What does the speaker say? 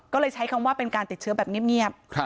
ก็เลยใช้คำว่าเป็นการติดเชื้อแบบเงียบ